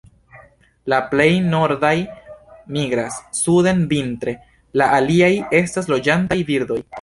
La plej nordaj migras suden vintre; la aliaj estas loĝantaj birdoj.